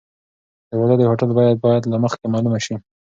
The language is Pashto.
د واده د هوټل بیه باید له مخکې معلومه شي.